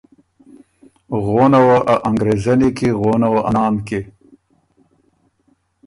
غونه وه انګرېزنی کی غونه وه ا نام کی،